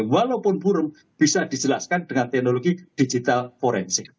walaupun forum bisa dijelaskan dengan teknologi digital forensik